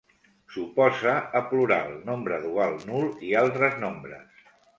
S'oposa a plural, nombre dual, nul i altres nombres.